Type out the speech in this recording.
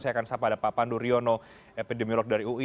saya akan sapa ada pak pandu riono epidemiolog dari ui